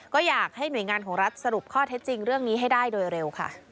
ก็อยากให้หน่วยงานของรัฐสรุปข้อเท็จจริงเรื่องนี้ให้ได้โดยเร็วค่ะ